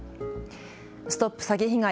ＳＴＯＰ詐欺被害！